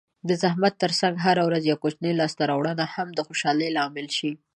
د زحمت ترڅنګ هره ورځ یوه کوچنۍ لاسته راوړنه هم د خوشحالۍ لامل شي.